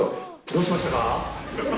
どうしましたか？